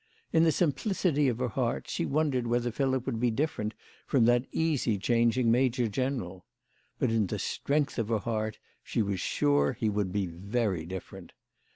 In the simplicity of her heart she wondered whether Philip would be different from that easy changing major general; but in the strength of her heart she was sure he would be very different.